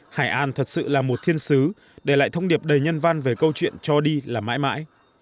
hải an thật sự là một thiên xứ để lại thông điệp đầy nhân văn về câu chuyện cho đi là mãi mãi